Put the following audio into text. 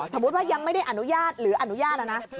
สมมุติว่ายังไม่ได้อนุญาตหรืออนุญาตนะนะ